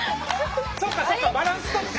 そっかそっかバランスとって。